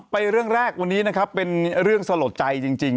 เรื่องแรกวันนี้นะครับเป็นเรื่องสลดใจจริง